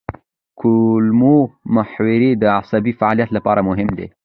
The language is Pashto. کولمو محور د عصبي فعالیت لپاره مهم دی.